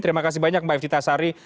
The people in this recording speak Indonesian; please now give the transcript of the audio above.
terima kasih banyak mbak iftita sari